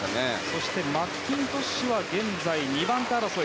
そしてマッキントッシュは現在２番手争い。